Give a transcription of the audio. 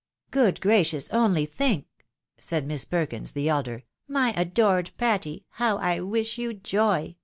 " Good gracious ! Only think I " said Miss Perkins the elder. " My adored Patty, how I wish you joy